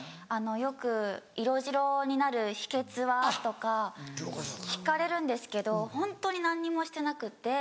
よく「色白になる秘訣は？」とか聞かれるんですけどホントに何にもしてなくって。